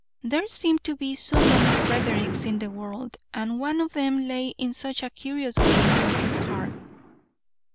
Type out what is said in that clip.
There seemed to be so many Fredericks in the world, and one of them lay in such a curious way near his heart.